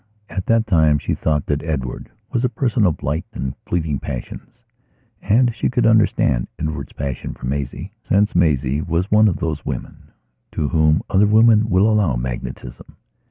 At that time she thought that Edward was a person of light and fleeting passions. And she could understand Edward's passion for Maisie, since Maisie was one of those women to whom other women will allow magnetism.